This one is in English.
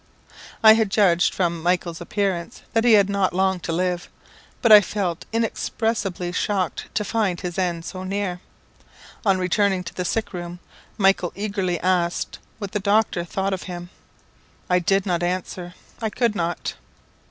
I had judged from Michael's appearance that he had not long to live, but I felt inexpressibly shocked to find his end so near. On returning to the sick room, Michael eagerly asked what the doctor thought of him? I did not answer I could not.